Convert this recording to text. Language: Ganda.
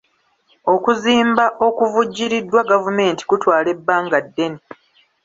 Okuzimba okuvvujjiriddwa gavumenti kutwala ebbanga ddene.